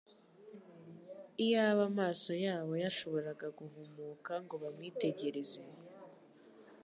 iyaba amaso yabo yashoboraga guhumuka ngo bamwitegereze,